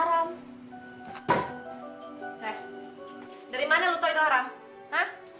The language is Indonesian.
divi dari mana lo tau itu haram